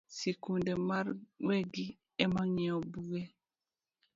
Sikunde mar wegi emang’iewo buge